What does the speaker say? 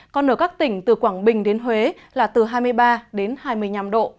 còn ở các tỉnh từ quảng bình đến huế là từ hai mươi ba đến hai mươi năm độ